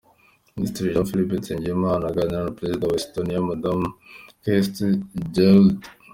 Minisitiri Jean Philbert Nsengimana aganira na Perezida wa Estonia Madamu Kersti Kaljulaid.